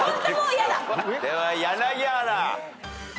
では柳原。